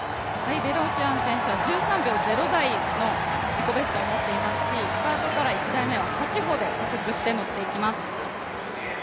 ベロシアン選手は１３秒０台の自己ベストを持っていますしスタートから１台目を８歩で突破して、乗っていきます。